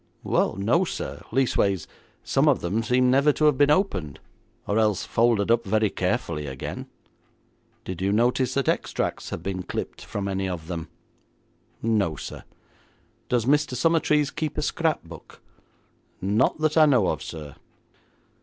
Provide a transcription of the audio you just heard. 'Well, no, sir; leastways, some of them seem never to have been opened, or else folded up very carefully again.' 'Did you notice that extracts have been clipped from any of them?' 'No, sir.' 'Does Mr. Summertrees keep a scrapbook?' 'Not that I know of, sir.'